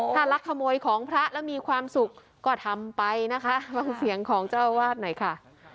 ถ้าลักขโมยของพระแล้วมีความสุขก็ทำไปนะคะฟังเสียงของเจ้าอาวาสหน่อยค่ะ